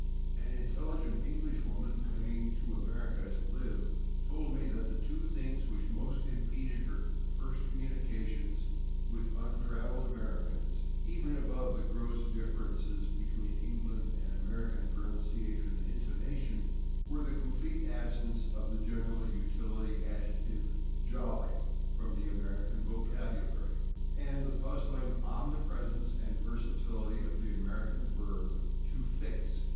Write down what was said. An intelligent Englishwoman, coming to America to live, told me that the two things which most impeded her first communications with untravelled Americans, even above the gross differences [Pg116] between England and American pronunciation and intonation, were the complete absence of the general utility adjective /jolly/ from the American vocabulary, and the puzzling omnipresence and versatility of the American verb /to fix